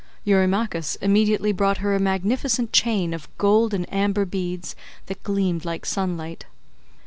Eurymachus immediately brought her a magnificent chain of gold and amber beads that gleamed like sunlight.